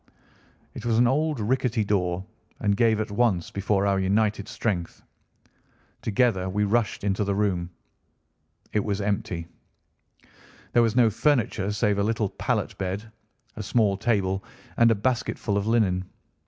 It was an old rickety door and gave at once before our united strength. Together we rushed into the room. It was empty. There was no furniture save a little pallet bed, a small table, and a basketful of linen.